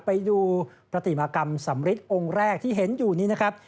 ไปดูปฏิมากรรมสำริทองค์แรกที่เห็นอยู่นี้นะครับ